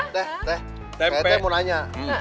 teteh teteh mau nanya